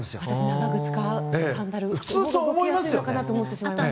長靴かサンダルが動きやすいかと思っていました。